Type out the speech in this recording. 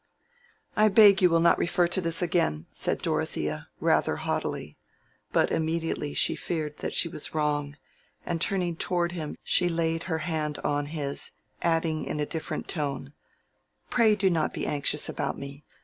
"I beg you will not refer to this again," said Dorothea, rather haughtily. But immediately she feared that she was wrong, and turning towards him she laid her hand on his, adding in a different tone, "Pray do not be anxious about me.